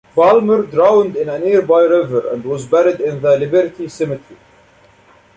Palmer drowned in a nearby river and was buried in the Liberty Cemetery.